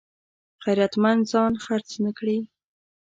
غیرتمند ځان خرڅ نه کړي